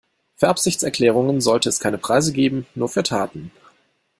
Für Absichtserklärungen sollte es keine Preise geben, nur für Taten.